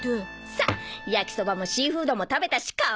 さっ焼きそばもシーフードも食べたし完璧！